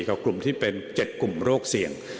กับกลุ่มที่เป็น๗กลุ่มโรคเสี่ยง